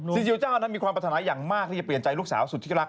ซีซิเจ้ามีความประถนายังมากที่จะเปลี่ยนใจลูกสาวสุดที่รัก